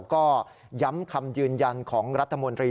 ก็ย้ำคำยืนยันของรัฐมนตรี